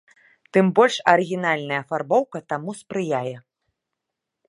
Тым больш арыгінальная афарбоўка таму спрыяе.